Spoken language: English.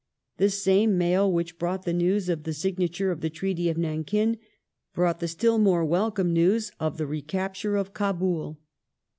The same mail which brought the news of the signature of the Treaty of Nankin brought the still more wel come news of the recapture of Kabul.